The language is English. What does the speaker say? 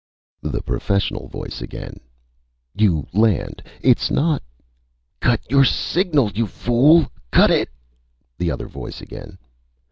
" The professional voice again: "... you land. It's not...._" "Cut your signal, you fool! Cut it...." The other voice again.